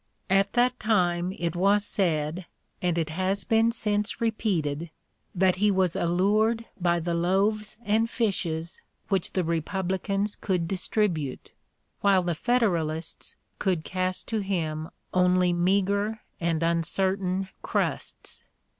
At that time it was said, and it has been since repeated, that he (p. 063) was allured by the loaves and fishes which the Republicans could distribute, while the Federalists could cast to him only meagre and uncertain crusts.